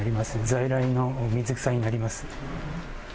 在来の水草になります。